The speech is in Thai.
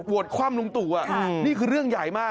คว่ำลุงตู่นี่คือเรื่องใหญ่มาก